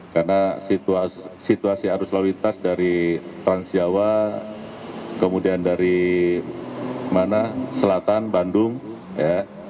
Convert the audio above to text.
karena situasi arus lalu lintas dari transjawa kemudian dari mana selatan bandung ya